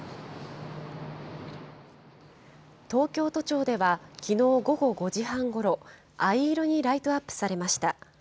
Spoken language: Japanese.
東京都庁では、きのう午後５時半ごろ、藍色にライトアップされました。